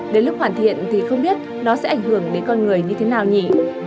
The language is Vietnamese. đến lúc hoàn thiện thì không biết nó sẽ ảnh hưởng đến con người như thế nào nhỉ